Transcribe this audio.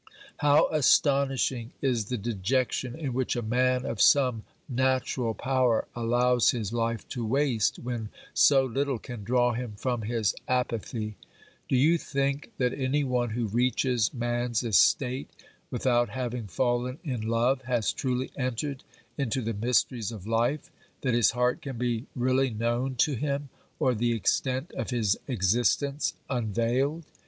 How astonishing is the dejection in which a man of some natural power allows his life to waste when so little can draw him from his apathy ! Do you think that any one who reaches man's estate without having fallen in love, has truly entered into the mysteries of life, that his heart can be really known to him, or the extent of his existence unveiled